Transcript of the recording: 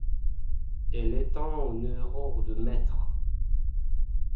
Elle atteint une hauteur d'un mètre.